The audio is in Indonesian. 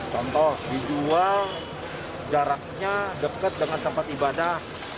contoh dijual jaraknya dekat dengan tempat ibadah